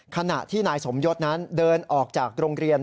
ขณะที่นายสมยศนั้นเดินออกจากโรงเรียน